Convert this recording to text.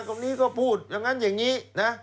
คนนี้ก็พูดอย่างนั้นอย่างนี้นะ